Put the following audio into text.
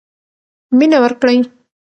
مینه ورکړئ.